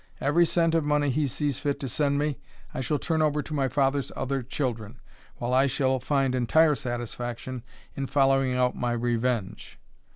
Every cent of money he sees fit to send me I shall turn over to my father's other children, while I shall find entire satisfaction in following out my revenge.